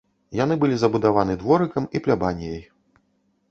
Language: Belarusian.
Яны былі забудаваны дворыкам і плябаніяй.